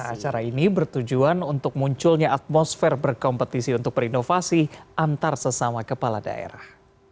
acara ini bertujuan untuk munculnya atmosfer berkompetisi untuk berinovasi antar sesama kepala daerah